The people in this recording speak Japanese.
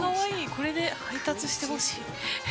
これで配達してほしい。